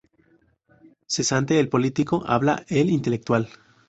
Cesante el político, habla el intelectual.